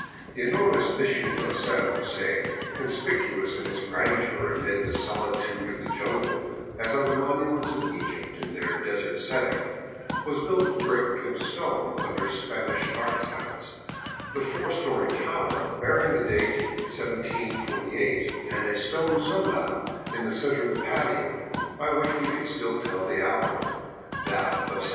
The enormous mission of San Jose, conspicuous in its grandeur amid the solitude of the jungle as are the monuments of Egypt in their desert setting, was built of brick and stone under Spanish artisans, the four story tower bearing the date 1748, and a stone sun dial in the center of the patio, by which we could still tell the hour, that of 1765.